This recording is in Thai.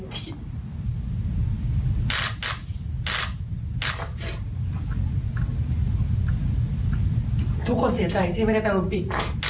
ทุกคนเสียใจที่ไม่ได้ไปรถปิด